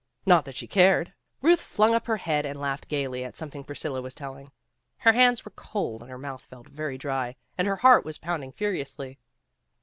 Not that she cared. Ruth flung up her head and laughed gaily at something Priscilla was telling. Her hands were cold and her mouth felt very dry, and her heart was pounding furiously.